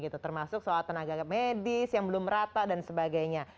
termasuk soal tenaga medis yang belum rata dan sebagainya